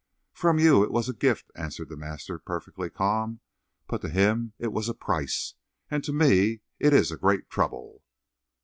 "From you it was a gift," answered the master, perfectly calm, "but to him it was a price. And to me it is a great trouble."